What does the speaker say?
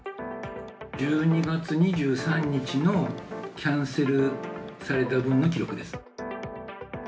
１２月２３日のキャンセルされた分の記録です。